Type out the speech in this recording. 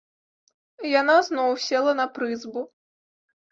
Яна зноў села на прызбу.